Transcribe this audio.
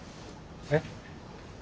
えっ？